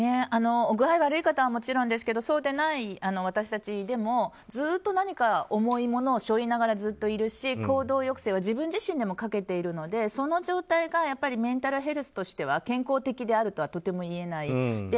具合が悪い方はもちろんですけどそうでない私たちでもずっと何か重いものを背負いながらずっといるし行動抑制は自分自身でもかけているので、その状態がメンタルヘルスとしては健康的であるとはとても言えない。